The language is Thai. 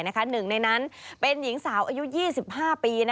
หนึ่งในนั้นเป็นหญิงสาวอายุ๒๕ปี